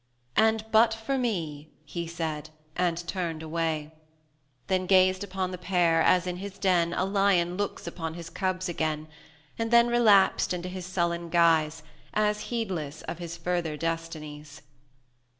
"And but for me!" he said, and turned away; Then gazed upon the pair, as in his den A lion looks upon his cubs again; 210 And then relapsed into his sullen guise, As heedless of his further destinies.